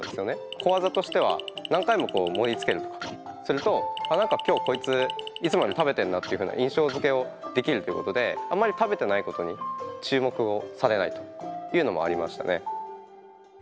小技としては何回も盛りつけるとかすると何か今日こいついつもより食べてんなっていうふうな印象づけをできるってことであまり食べてないことに注目をされないというのもありましたね。